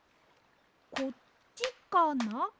こっちかな？